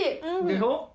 でしょ？